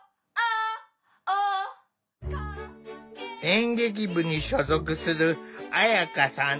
演劇部に所属する彩夏さん。